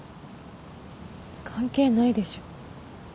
関係ないでしょ。